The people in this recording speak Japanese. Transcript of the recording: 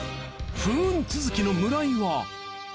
不運続きの村井は。